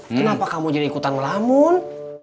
hai kenapa kamu jadi ikutan melamun